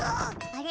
あれ？